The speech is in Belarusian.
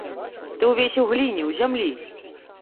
Ты ўвесь у гліне, у зямлі.